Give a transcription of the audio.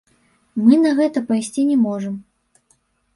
Мы на гэта пайсці не можам.